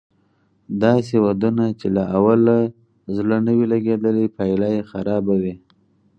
داسې ودونه چې له اوله زړه نه وي لګېدلی پايله یې خرابه وي